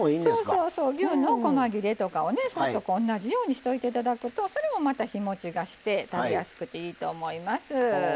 牛のこま切れとかも同じようにしていただくとそれもまた、日もちがして食べやすくていいと思います。